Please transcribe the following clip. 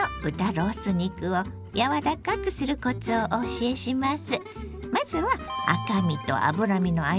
ロース肉を柔らかくするコツをお教えします。